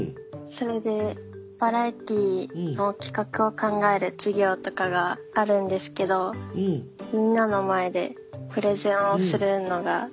それでバラエティーの企画を考える授業とかがあるんですけどみんなの前でプレゼンをするのがちょっと苦手で。